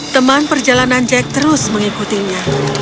teman perjalanan jack terus mengikutinya